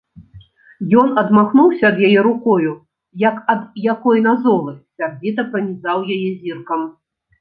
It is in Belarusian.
Ён адмахнуўся ад яе рукою, як ад якой назолы, сярдзіта пранізаў яе зіркам.